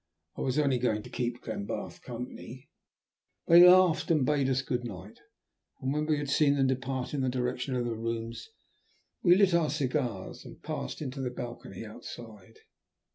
I was only going to keep Glenbarth company." They laughed and bade us good night, and when we had seen them depart in the direction of their rooms we lit our cigars and passed into the balcony outside.